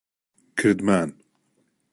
کردمان.